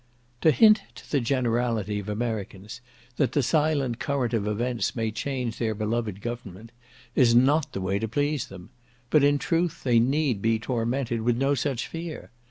To hint to the generality of Americans that the silent current of events may change their beloved government, is not the way to please them; but in truth they need be tormented with no such fear.